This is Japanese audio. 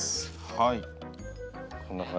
はい。